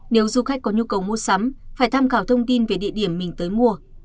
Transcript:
nếu du khách có nhu cầu mua sắm phải tham khảo thông tin về địa điểm mình tới mua